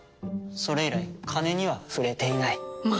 それ以来金には触れていない。